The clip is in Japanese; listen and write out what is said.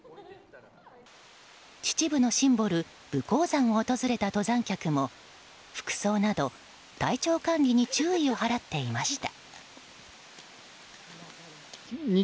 秩父のシンボル、武甲山を訪れた登山客も服装など体調管理に注意を払っていました。